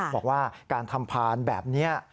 บอกว่าการทำพานแบบนี้